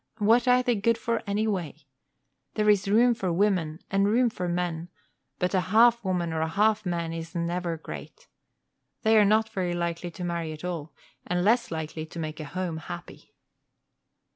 What are they good for, anyway? There is room for women and room for men, but a half woman or a half man is never great. They are not very likely to marry at all, and less likely to make home happy.